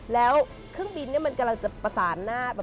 แล้วเครื่องบินมันกำลังจะประสานหน้า